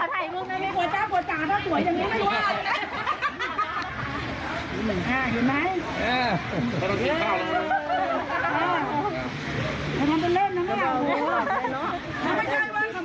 บอกเลยเนอะ